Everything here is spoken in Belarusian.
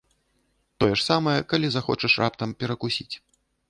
Тое ж самае, калі захочаш раптам перакусіць.